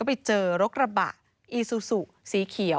แล้วพี่ก็เอาสร้อยมาด้วย